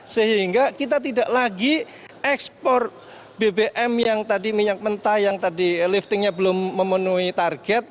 sehingga kita tidak lagi ekspor bbm yang tadi minyak mentah yang tadi liftingnya belum memenuhi target